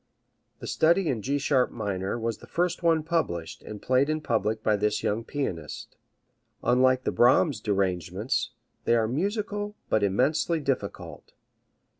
The study in G sharp minor was the first one published and played in public by this young pianist Unlike the Brahms derangements, they are musical but immensely difficult.